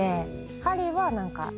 鍼は何か。